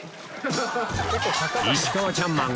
石川チャンマン